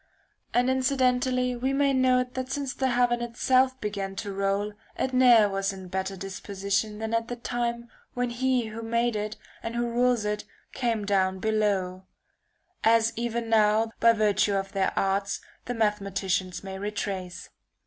And incidentally we may note that since the heaven itself began to roll it ne'er was in better disposition than at the time when he who made it and who rules it came down below ; as even now by virtue of their arts the mathematicians may retrace.